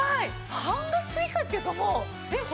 半額以下っていうかもうえっ？